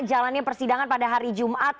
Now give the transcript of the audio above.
jalannya persidangan pada hari jumat